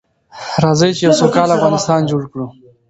راځئ چې يو سوکاله افغانستان جوړ کړو.